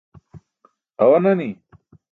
Awa nani.